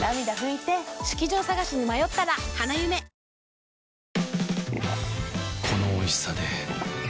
ニトリこのおいしさで